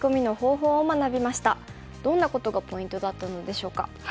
どんなことがポイントだったのでしょうか。